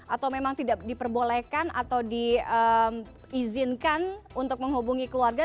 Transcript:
atau memang tidak diperbolehkan atau diizinkan untuk menghubungi keluarga